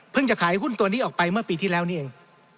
จะขายหุ้นตัวนี้ออกไปเมื่อปีที่แล้วนี่เอง